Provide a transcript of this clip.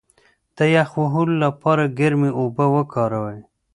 د یخ وهلو لپاره ګرمې اوبه وکاروئ